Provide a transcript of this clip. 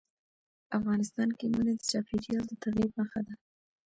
افغانستان کې منی د چاپېریال د تغیر نښه ده.